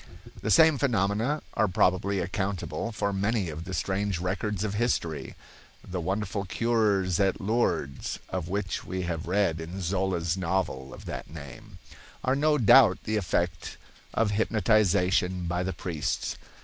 The same phenomena are probably accountable for many of the strange records of history. The wonderful cures at Lourdes (of which we have read in Zola's novel of that name) are no doubt the effect of hypnotization by the priests.